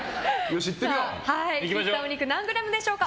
切ったお肉は何グラムでしょうか？